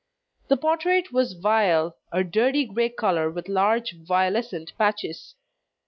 The portrait was vile, a dirty grey colour with large violescent patches.